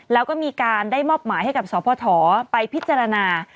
แล้วก็มีการได้มอบหมายให้กับสพไปพิจารณา